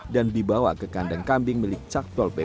dan dibawa ke kandang kambing milik caktol pp